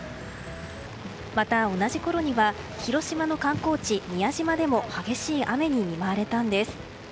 また、同じころには広島の観光地・宮島でも激しい雨に見舞われたんです。